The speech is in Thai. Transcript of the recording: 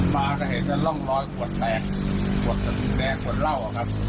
มาจะเห็นกันร่องร้อยขวดแตกขวดสะดุนแดงขวดเหล้าครับ